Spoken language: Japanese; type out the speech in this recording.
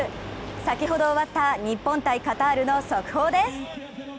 先ほど終わった日本×カタールの速報です！